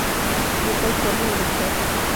De tal forma, el Dr.